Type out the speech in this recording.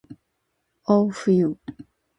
ahfuhiu